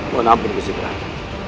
mohon ampun kusi perak